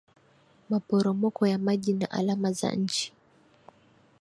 maporomoko ya maji na alama za nchi